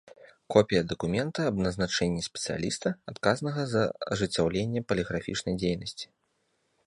Копiя дакумента аб назначэннi спецыялiста, адказнага за ажыццяўленне палiграфiчнай дзейнасцi.